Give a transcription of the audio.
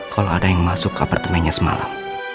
kalau ada yang masuk ke apartemennya semalam